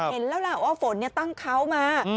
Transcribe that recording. เห็นแล้วแหละว่าฝนเนี่ยตั้งเขามา